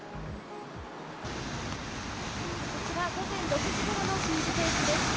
こちら午前６時ごろの新宿駅です。